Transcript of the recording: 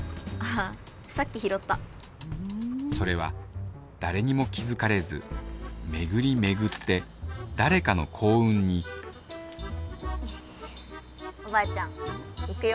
それは誰にも気付かれず巡り巡って誰かの幸運におばあちゃんいくよ。